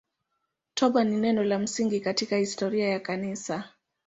Toba ni neno la msingi katika historia ya Kanisa.